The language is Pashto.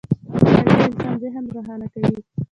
• مطالعه د انسان ذهن روښانه کوي.